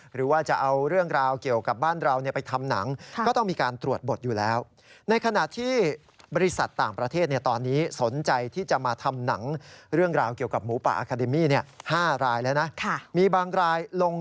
หรือว่าจะเอาเรื่องราวเกี่ยวกับบ้านเราไปทำหนัง